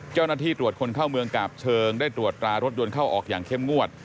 เจ้าหน้าที่ตรวจคนเข้าเมืองกาบเชิงได้ตรวจตรารถยนต์เข้าออกอย่างเข้มงวด